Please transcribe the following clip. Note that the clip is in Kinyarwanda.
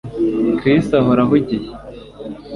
Chris ahora ahugiye